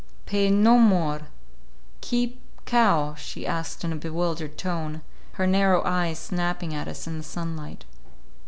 "Pay no more, keep cow?" she asked in a bewildered tone, her narrow eyes snapping at us in the sunlight.